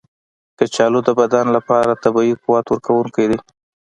کچالو د بدن لپاره طبیعي قوت ورکونکی دی.